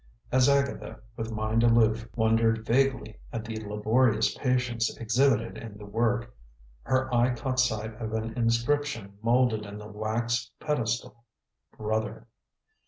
As Agatha, with mind aloof, wondered vaguely at the laborious patience exhibited in the work, her eye caught sight of an inscription molded in the wax pedestal: "Brother."